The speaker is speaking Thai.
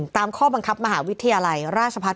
ตามข้อบังคับมหาวิทยาลัยราชพัฒน